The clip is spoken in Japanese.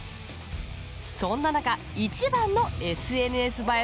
そんななか一番のＳＮＳ映え